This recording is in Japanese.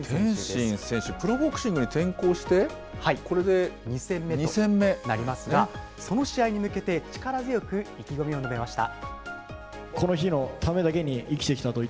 天心選手、プロボクシングに転向してこれで２戦目。となりますが、その試合に向けて、力強く意気込みを述べました。